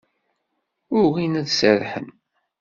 Ugin ad serrḥen.